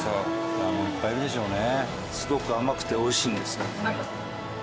いっぱいいるでしょうね。